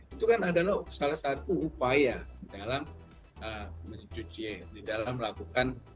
itu kan adalah salah satu upaya dalam mencuci di dalam melakukan